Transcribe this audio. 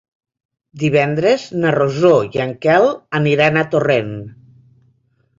Divendres na Rosó i en Quel aniran a Torrent.